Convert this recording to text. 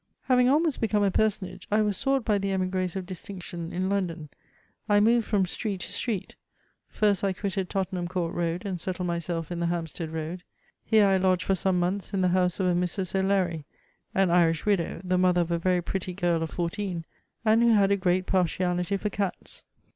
Having almost become a personage, I was sought by the emigres of distinction in London ; I moved from street to street ; first I quitted Tottenham Court Road, and settled my self in the Hampstead Road. Here I lodged for some montns in the house of a Mrs. O'Larry, an Irish widow, the mother of a very pretty girl of fourteen, and who had a great partiality for cats.